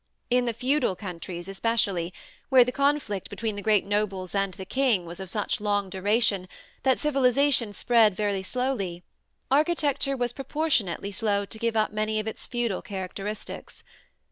In the feudal countries especially, where the conflict between the great nobles and the king was of such long duration that civilization spread very slowly, architecture was proportionately slow to give up many of its feudal characteristics.